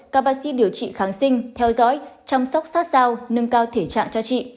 các bác sĩ điều trị kháng sinh theo dõi chăm sóc sát dao nâng cao thể trạng cho trị